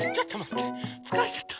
つかれちゃった。